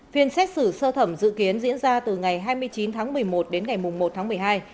phiên xét xử sơ thẩm dự kiến diễn ra từ ngày hai mươi chín tháng một mươi một đến ngày một tháng một mươi hai